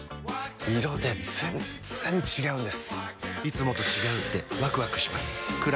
色で全然違うんです！